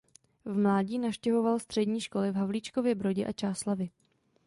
V mládí navštěvoval střední školy v Havlíčkově Brodě a Čáslavi.